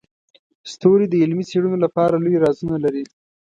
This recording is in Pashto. ستوري د علمي څیړنو لپاره لوی رازونه لري.